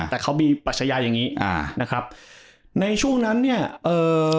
แต่เขามีปัชญาอย่างงี้อ่านะครับในช่วงนั้นเนี่ยเอ่อ